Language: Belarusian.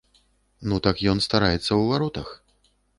Ну так ён стараецца ў варотах.